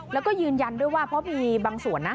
แล้วก็ยืนยันด้วยว่าเพราะมีบางส่วนนะ